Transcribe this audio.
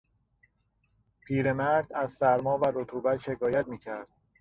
پیرمرد از سرما و رطوبت شکایت میکرد.